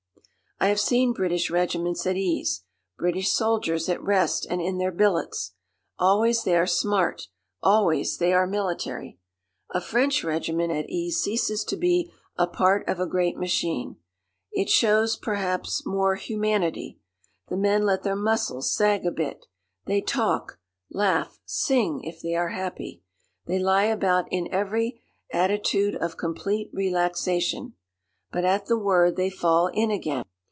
I have seen British regiments at ease, British soldiers at rest and in their billets. Always they are smart, always they are military. A French regiment at ease ceases to be a part of a great machine. It shows, perhaps, more humanity. The men let their muscles sag a bit. They talk, laugh, sing if they are happy. They lie about in every attitude of complete relaxation. But at the word they fall in again.